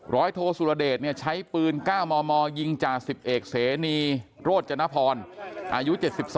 ร้อยโทสุรเดชใช้ปืน๙มมยิงจ่า๑๑เสนีโรธจนพรอายุ๗๒